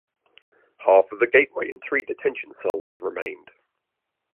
Half of the gateway and three detention cells remained.